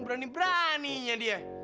berani beraninya dia